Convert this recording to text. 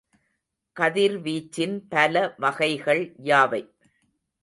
கதிர்வீச்சின் பல வகைகள் யாவை?